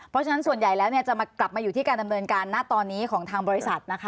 เพราะฉะนั้นส่วนใหญ่แล้วจะกลับมาอยู่ที่การดำเนินการณตอนนี้ของทางบริษัทนะคะ